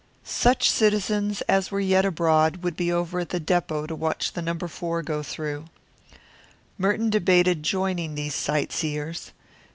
Such citizens as were yet abroad would be over at the depot to watch No. 4 go through. Merton debated joining these sight seers.